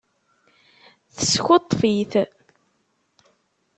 Teskuṭṭef-it.